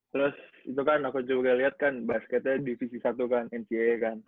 terus itu kan aku juga lihat kan basketnya divisi satu kan mca kan